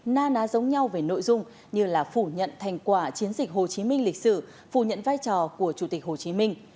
na ná giống nhau về nội dung như là phủ nhận thành quả chiến dịch hồ chí minh lịch sử phủ nhận vai trò của chủ tịch hồ chí minh